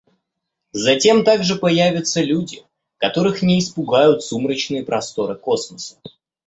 Затем также появятся люди, которых не испугают сумрачные просторы космоса».